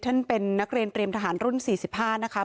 ท่านเป็นนักเรียนเตรียมทหารรุ่น๔๕นะคะ